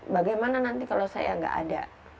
bagaimana nanti kalau saya nggak ada